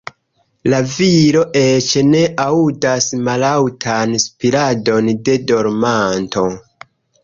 La viro eĉ ne aŭdas mallaŭtan spiradon de dormanto.